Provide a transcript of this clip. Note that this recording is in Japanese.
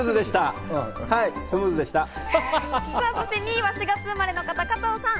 ２位は４月生まれの方、加藤さん。